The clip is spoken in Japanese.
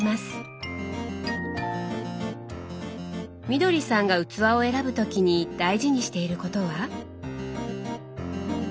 みどりさんが器を選ぶ時に大事にしていることは？